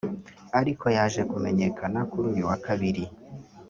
ariko yaje kumenyekana kuri uyu wa kabiri